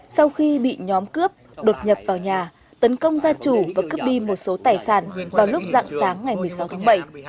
sau khi bị nhóm cướp đột nhập vào nhà tấn công gia chủ và cướp đi một số tài sản vào lúc dạng sáng ngày một mươi sáu tháng bảy